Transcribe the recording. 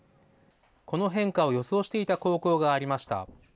この変化を予想していた高校がありました。